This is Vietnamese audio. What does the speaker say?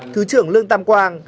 thứ trưởng lương tam quang